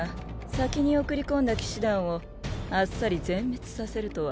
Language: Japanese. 先に送り込んだ騎士団をあっさり全滅させるとは。